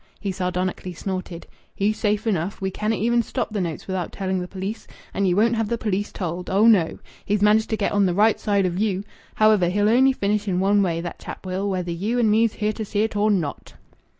He sardonically snorted. "He's safe enough. We canna' even stop the notes without telling the police, and ye won't have the police told. Oh, no! He's managed to get on th' right side o' you. However, he'll only finish in one way, that chap will, whether you and me's here to see it or not."